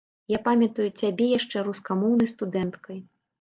Я памятаю цябе яшчэ рускамоўнай студэнткай.